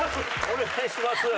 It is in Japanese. お願いします。